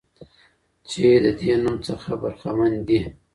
چې له دې نوم څخه برخمن دي.